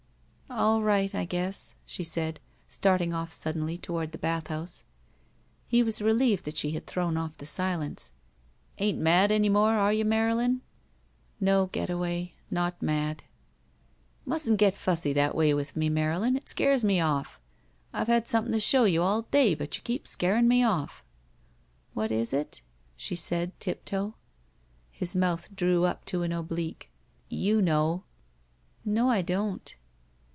"All right, I guess," she said, starting off sud denly toward the bathhouse. He was relieved that she had thrown off the silence. "Ain't mad any more, are you, Marylin?" "No, Getaway — not mad." "Mustn't get fussy that way with me, Marylin. 134 THE VERTICAL CITY It scares me off. I've had something to show you all day, but you keep scaring me off." "What is it?" she said, tiptoe. His mouth drew up to an oblique. You know." No, I don't."